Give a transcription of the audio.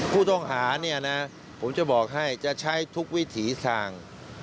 ผู้ต้องหาเนี่ยนะผมจะบอกให้จะใช้ทุกวิถีทาง